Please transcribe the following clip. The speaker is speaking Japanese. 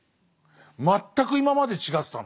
全く今まで違ってたな。